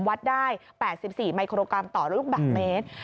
วัดได้๘๔มิโครกรัมต่อลูกบาทเมตร